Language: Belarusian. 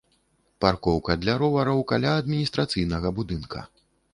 Паркоўка для ровараў каля адміністрацыйнага будынка.